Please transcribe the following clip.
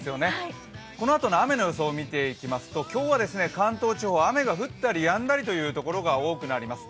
このあとの雨の予想を見ていきますと、今日は関東地方雨が降ったりやんだりというところが多くなります。